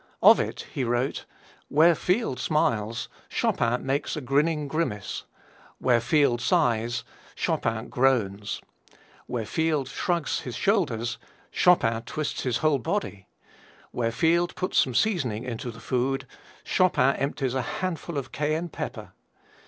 Of it he wrote: "Where Field smiles, Chopin makes a grinning grimace; where Field sighs, Chopin groans; where Field shrugs his shoulders, Chopin twists his whole body; where Field puts some seasoning into the food, Chopin empties a handful of cayenne pepper.